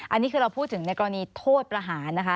อันนี้คือเราพูดถึงในกรณีโทษประหารนะคะ